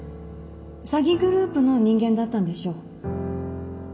詐欺グループの人間だったんでしょう。